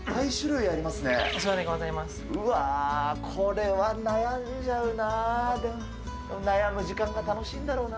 うわー、これは悩んじゃうな。